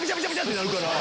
ってなるから。